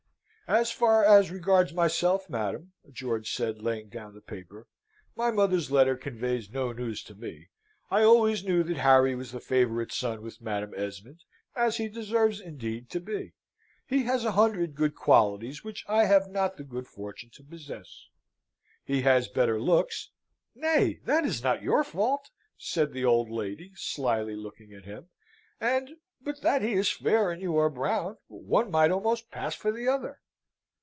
"As far as regards myself, madam," George said, laying down the paper, "my mother's letter conveys no news to me. I always knew that Harry was the favourite son with Madam Esmond, as he deserves indeed to be. He has a hundred good qualities which I have not the good fortune to possess. He has better looks " "Nay, that is not your fault," said the old lady, slily looking at him; "and, but that he is fair and you are brown, one might almost pass for the other."